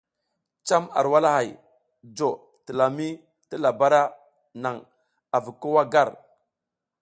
Cam ar walahay jo talami ti labara naŋ avi ko wa gar.